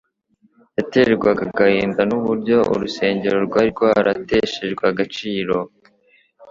yaterwaga agahinda n’uburyo urusengero rwari rwarateshejwe agaciro